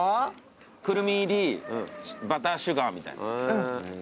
くるみ入りバターシュガーみたいな。